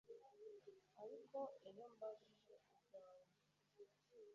ariko iyo mbajije ibyanjye